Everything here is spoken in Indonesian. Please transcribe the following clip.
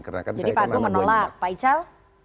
jadi pak agung menolak pak ical